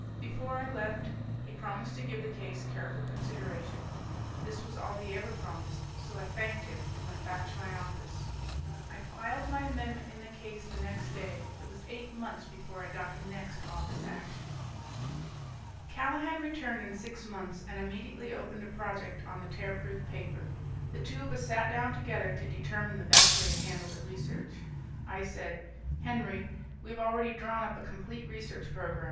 Before I left he promised to give the case careful consideration. This was all he ever promised, so I thanked him and went back to my office. I filed my amendment in the case the next day. It was eight months before I got the next Office Action. Callahan returned in six months and immediately opened a project on the Tearproof Paper. The two of us sat down together to determine the best way to handle the research. I said, "Henry, we have already drawn up a complete research program.